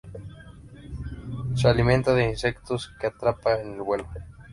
Se alimenta de insectos que atrapa en vuelo.